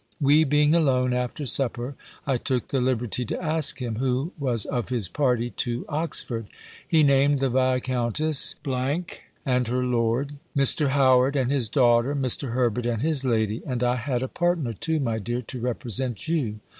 We being alone, after supper, I took the liberty to ask him, who was of his party to Oxford? He named the Viscountess , and her lord, Mr. Howard, and his daughter, Mr. Herbert and his lady: "And I had a partner too, my dear, to represent you."